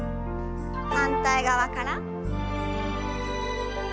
反対側から。